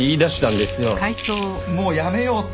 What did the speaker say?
もうやめようって！